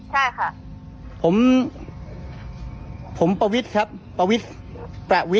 ใช่ค่ะผมผมพระวิทย์ครับพระวิคสวิส